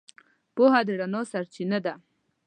پوهه د رڼا سرچینه ده.